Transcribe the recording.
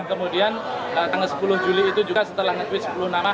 kemudian tanggal sepuluh juli itu juga setelah nge tweet sepuluh nama